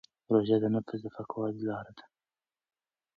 روژه د نفس د پاکوالي لاره ده.